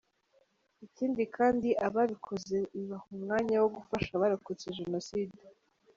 Ikindi kandi, ababikoze bibaha umwanya wo gufasha abarokotse Jenoside.